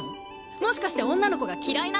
もしかして女の子が嫌いなの？